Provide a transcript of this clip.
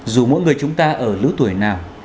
dù mỗi người chúng ta ở lứa tuổi nào